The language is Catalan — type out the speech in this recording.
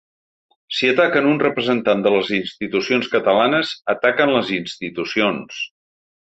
Si ataquen un representant de les institucions catalanes, ataquen les institucions.